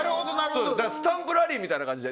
スタンプラリーみたいな感じで。